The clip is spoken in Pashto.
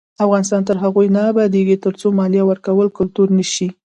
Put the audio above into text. افغانستان تر هغو نه ابادیږي، ترڅو مالیه ورکول کلتور نشي.